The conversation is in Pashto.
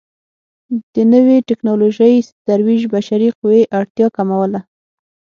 د نوې ټکنالوژۍ ترویج بشري قوې اړتیا کموله.